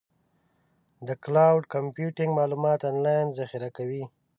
د کلاؤډ کمپیوټینګ معلومات آنلاین ذخیره کوي.